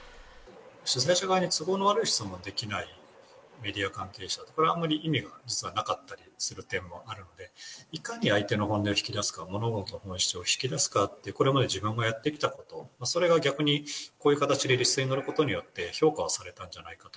主催者側に都合の悪い質問できないメディア関係者とか、これはあまり意味がなかったりする点もあるので、いかに相手の本音を引き出すか、物事の本質を引き出すかということを、これまで自分がやってきたこと、それが逆にこういう形でリストに載ることによって、評価をされたんじゃないかと。